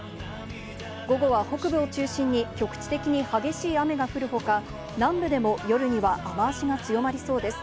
午後は北部を中心に局地的に激しい雨が降る他、南部でも夜には雨脚が強まりそうです。